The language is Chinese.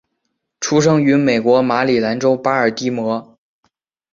出生于美国马里兰州巴尔的摩。